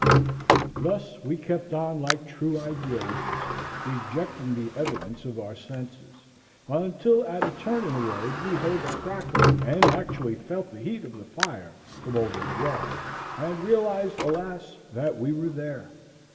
Thus we kept on like true idealists, rejecting the evidence of our senses, until at a turn in the road we heard the crackling and actually felt the heat of the fire from over the wall, and realized, alas! that we were there.